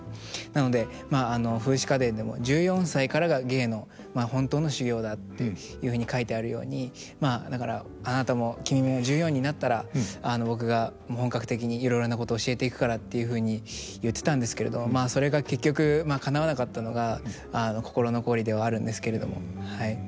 なので「『風姿花伝』でも１４歳からが芸の本当の修行だっていうふうに書いてあるようにまあだからあなたも君も１４になったら僕が本格的にいろいろなこと教えていくから」っていうふうに言ってたんですけれどまあそれが結局かなわなかったのが心残りではあるんですけれども。